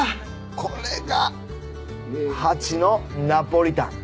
これがハチのナポリタン。